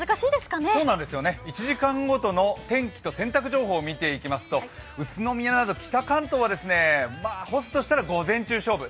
１時間ごとの天気を見ていきますと、宇都宮など北関東は干すとしたら午前中勝負。